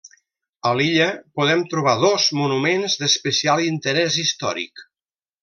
A l'illa, podem trobar dos monuments d'especial interès històric.